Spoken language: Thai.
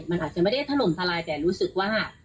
มันอาจจะไม่ได้ถล่มทลายแต่รู้สึกว่า